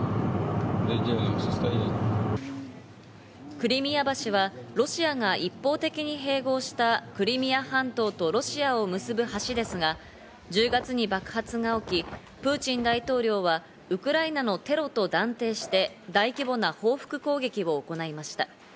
クリミア橋はロシアが一方的に併合したクリミア半島とロシアを結ぶ橋ですが１０月に爆発が起き、プーチン大統領はウクライナのテロと断定して、大規模な報復攻撃を行いました。